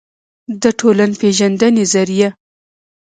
دټولنپېژندې ظریه